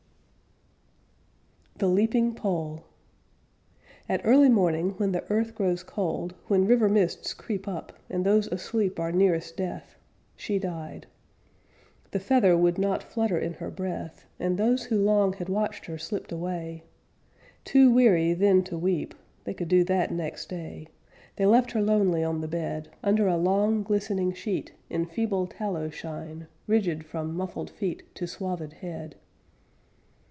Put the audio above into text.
THE LEAPING POLL At early morning when the earth grows cold, When river mists creep up, And those asleep are nearest death, She died. The feather would not flutter in her breath; And those who long had watched her slipped away, Too weary then to weep; They could do that next day They left her lonely on the bed, Under a long, glistening sheet, in feeble tallow shine, Rigid from muffled feet to swathèd head.